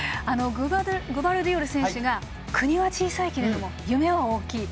グバルディオル選手が国は小さいけれど夢は大きい。